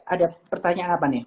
ada pertanyaan apa nih